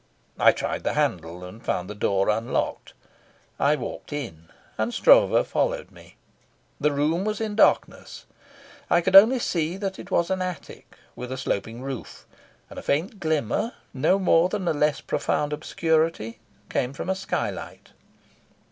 I tried the handle, and found the door unlocked. I walked in, and Stroeve followed me. The room was in darkness. I could only see that it was an attic, with a sloping roof; and a faint glimmer, no more than a less profound obscurity, came from a skylight.